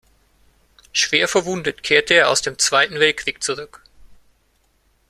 Schwer verwundet kehrte er aus dem Zweiten Weltkrieg zurück.